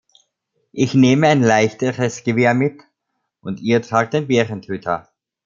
Ich nehme ein leichteres Gewehr mit, und Ihr tragt den Bärentöter!